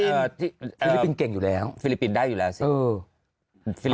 ฟิลิปปินส์เก่งอยู่แล้วฟิลิปปินส์ได้อยู่แล้วสิ